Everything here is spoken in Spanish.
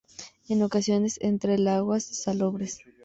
En ocasiones entra en aguas salobres.